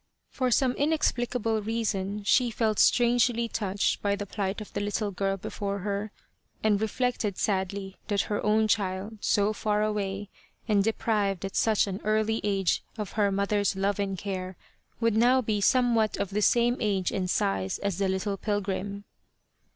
For some inexplicable reason she felt strangely touched by the plight of the little girl before her, and reflected sadly that her own child so far away, and deprived at such an early age of her mother's love and care would now be somewhat of the same age and size as the little pilgrim.